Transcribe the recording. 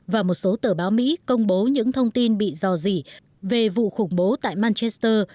và một số tờ báo mỹ công bố những thông tin bị dò dỉ về vụ khủng bố tại manchester